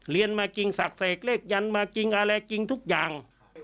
เรียนมาจริงศักดิ์เสกเลขยันมาจริงอะไรจริงทุกอย่าง